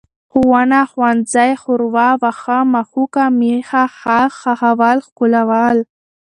ښوونه، ښوونځی، ښوروا، واښه، مښوکه، مېښه، ښاخ، ښخول، ښکلول